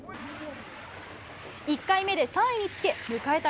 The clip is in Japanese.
１回目で３位につけ迎えた